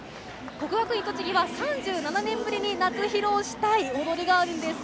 国学院栃木は３７年ぶりに夏披露したい応援があるんです。